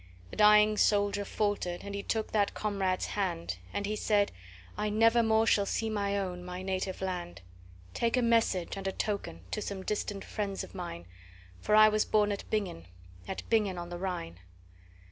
The dying soldier faltered, and he took that comrade's hand, And he said, "I nevermore shall see my own, my native land: Take a message, and a token, to some distant friends of mine, For I was born at Bingen, at Bingen on the Rhine.